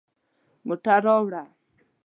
موټر راوړه